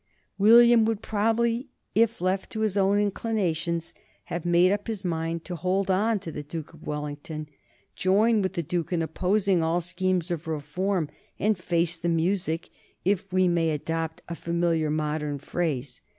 William would probably, if left to his own inclinations, have made up his mind to hold on to the Duke of Wellington, join with the Duke in opposing all schemes of reform, and face the music, if we may adopt a familiar modern phrase.